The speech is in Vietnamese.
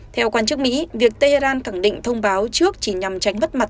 theo quan chức mỹ việc tehran cẳng định thông báo trước chỉ nhằm tránh bất mặt